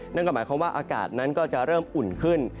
นั่นก็หมายความว่าอากาศนั้นก็จะเริ่มอุ่นขึ้น